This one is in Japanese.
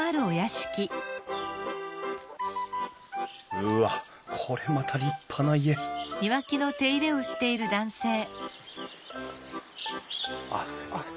うわっこれまた立派な家あっすみません。